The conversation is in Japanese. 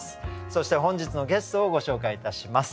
そして本日のゲストをご紹介いたします。